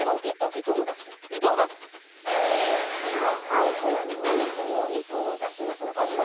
カイコやミノムシも糸を出しますが昆虫ですね。